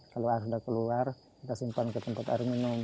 kalau air sudah keluar kita simpan ke tempat air minum